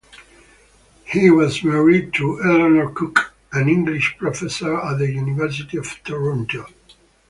He was married to Eleanor Cook, an English professor at the University of Toronto.